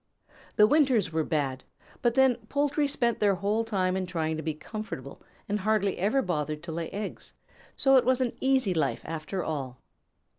The winters were bad, but then the poultry spent their whole time in trying to be comfortable and hardly ever bothered to lay eggs, so it was an easy life after all.